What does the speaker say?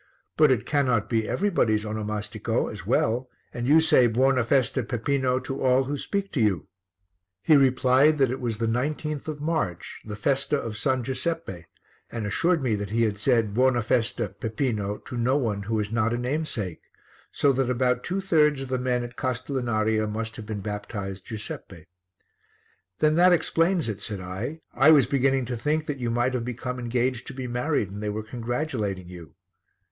But it cannot be everybody's onomastico as well, and you say 'Buona festa, Peppino' to all who speak to you." He replied that it was the 19th of March, the festa of S. Giuseppe, and assured me that he had said "Buona festa, Peppino" to no one who was not a namesake; so that about two thirds of the men at Castellinaria must have been baptized Giuseppe. "Then that explains it," said I. "I was beginning to think that you might have become engaged to be married and they were congratulating you."